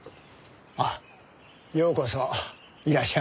あっようこそいらっしゃいました。